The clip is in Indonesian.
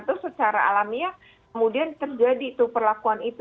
terus secara alamiah kemudian terjadi tuh perlakuan itu